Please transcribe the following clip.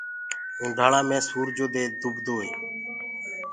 اونڍآݪآ مي سورجو دي دُبدوئي۔